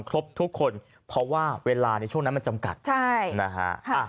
ครบทุกคนเพราะว่าเวลาในช่วงนั้นมันจำกัดใช่นะฮะ